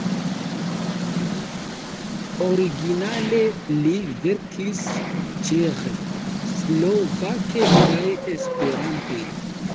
Originale li verkis ĉeĥe, slovake kaj esperante.